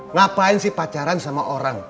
ngapain sih pacaran sama orang